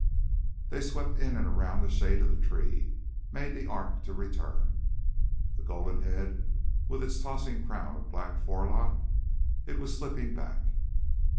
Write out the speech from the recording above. They swept in and around the shade of the tree, made the arc to return. That golden head with its tossing crown of black forelock; it was slipping back!